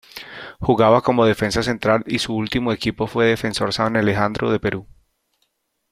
Jugaba como defensa central y su ultimo equipo fue Defensor San Alejandro de Perú.